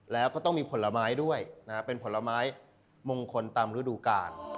แล้วก็ต้องมีผลไม้ด้วยเป็นผลไม้มงคลตามฤดูกาล